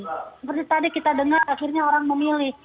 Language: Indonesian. seperti tadi kita dengar akhirnya orang memilih